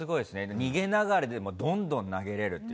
逃げながらでも、どんどん投げれるという。